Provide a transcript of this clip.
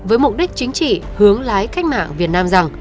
với mục đích chính trị hướng lái cách mạng việt nam rằng